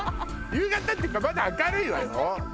夕方っていうかまだ明るいわよ。